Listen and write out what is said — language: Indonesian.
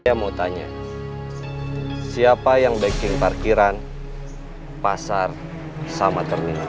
saya mau tanya siapa yang baking parkiran pasar sama terminal